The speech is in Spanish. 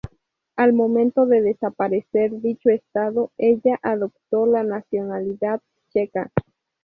Al momento de desaparecer dicho estado, ella adoptó la nacionalidad checa.